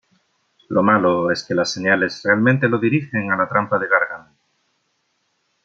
Lo malo es que las señales realmente lo dirigen a la trampa de Gargamel.